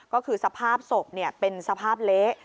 ก็คือสภาพศพเป็นสภาพเละ